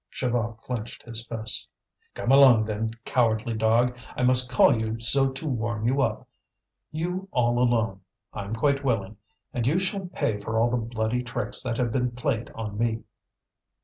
Chaval clenched his fists. "Come along, then, cowardly dog! I must call you so to warm you up. You all alone I'm quite willing; and you shall pay for all the bloody tricks that have been played on me."